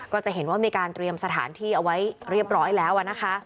ก็จะเห็นว่ามีการเตรียมสถานที่เอาไว้เรียบร้อยแล้วนะคะ